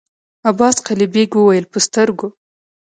عباس قلي بېګ وويل: په سترګو!